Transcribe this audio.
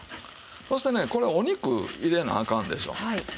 そしてねこれお肉入れなアカンでしょう。